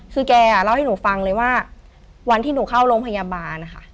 คือแกเล่าให้หนูฟังเลยว่าวันที่หนูเข้าโรงพยาบาลนะคะ